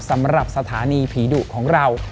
สำหรับสถานีผีดุของเรา